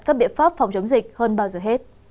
các biện pháp phòng chống dịch hơn bao giờ hết